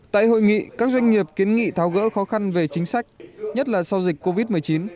tại hội nghị các doanh nghiệp kiến nghị tháo gỡ khó khăn về chính sách nhất là sau dịch covid một mươi chín